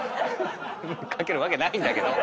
書けるわけないんだけど！